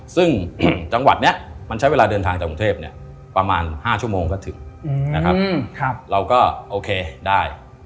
ซึ่งจังหวัดนี้มันใช้เวลาเดินทางจากกรุงเทพประมาณ๕ชั่วโมงก็ถึงนะครับเราก็โอเคได้